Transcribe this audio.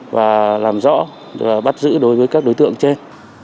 và làm rõ và bắt giữ đối với các đối tượng trên